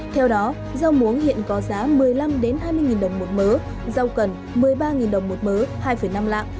theo đó rau muống hiện có giá một mươi năm hai mươi đồng một mớ rau cần một mươi ba đồng một mớ hai năm lạng